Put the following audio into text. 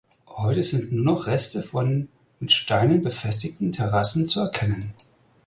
Heute sind nur noch Reste von mit Steinen befestigten Terrassen zu erkennen.